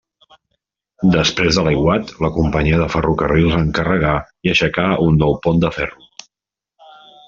Després de l'aiguat, la companyia de ferrocarrils encarregà i aixecà un nou pont de ferro.